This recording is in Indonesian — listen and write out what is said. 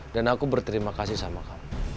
dan aku berterima kasih sama kamu